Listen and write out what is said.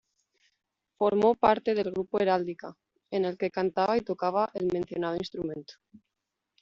Formó parte del grupo Heráldica, en el que cantaba y tocaba el mencionado instrumento.